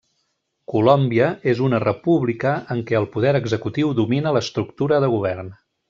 Colòmbia és una república en què el poder executiu domina l'estructura de govern.